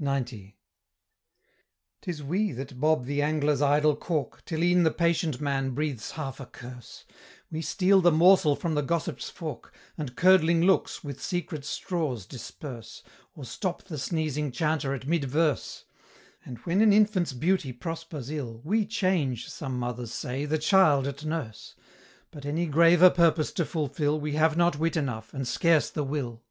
XC. "'Tis we that bob the angler's idle cork, Till e'en the patient man breathes half a curse; We steal the morsel from the gossip's fork, And curdling looks with secret straws disperse, Or stop the sneezing chanter at mid verse: And when an infant's beauty prospers ill, We change, some mothers say, the child at nurse: But any graver purpose to fulfil, We have not wit enough, and scarce the will."